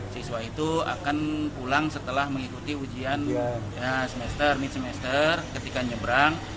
siswa itu akan pulang setelah mengikuti ujian semester mit semester ketika nyebrang